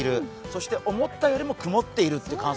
そして思ったよりも曇っている。